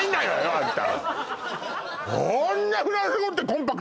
あんた